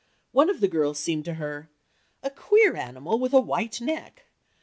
One of the girls seemed to her: "A queer animal with a white neck.